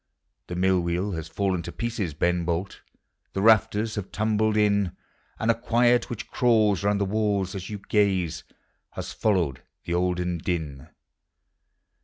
The mill wheel has fallen to pieces, Beu Bolt, The rafters have tumbled in, And a quiet which crawls round the walls as you gaze lias followed the olden din.